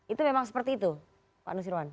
itu memang seperti itu pak nusirwan